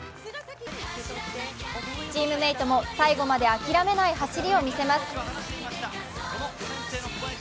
チームメートも最後まで諦めない走りをみせます。